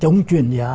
chống chuyển giá